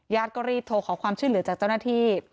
ก็รีบโทรขอความช่วยเหลือจากเจ้าหน้าที่